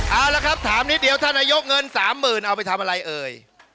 เอาละครับถามนิดเดียวท่านนายกเงิน๓๐๐๐เอาไปทำอะไรเอ่ย